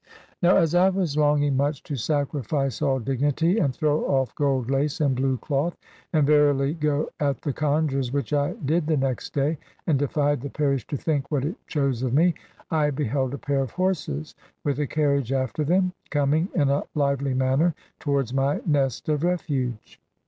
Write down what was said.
Now, as I was longing much to sacrifice all dignity, and throw off gold lace and blue cloth, and verily go at the congers (which I did the next day, and defied the parish to think what it chose of me), I beheld a pair of horses, with a carriage after them, coming in a lively manner towards my nest of refuge.